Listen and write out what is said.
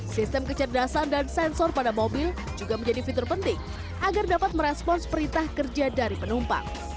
sistem kecerdasan dan sensor pada mobil juga menjadi fitur penting agar dapat merespons perintah kerja dari penumpang